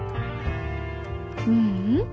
ううん。